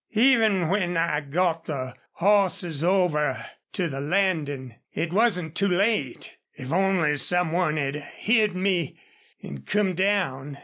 "Even when I got the hosses over to the landin' it wasn't too late if only some one had heerd me an' come down.